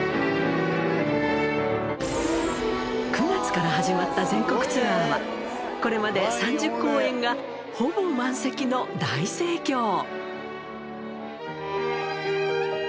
９月から始まった全国ツアーは、これまで３０公演がほぼ満席の大盛況。